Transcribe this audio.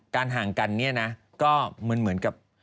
ห่างกันเนี่ยนะก็เหมือนกับ